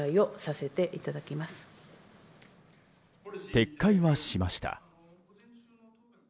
撤回は、しました。